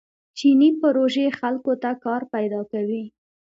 چیني پروژې خلکو ته کار پیدا کوي.